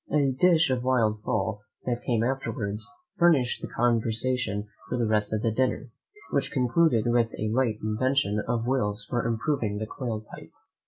A dish of wild fowl that came afterwards furnished conversation for the rest of the dinner, which concluded with a late invention of Will's for improving the quail pipe.